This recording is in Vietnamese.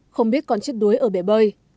không biết con chết đuối ở bể bơi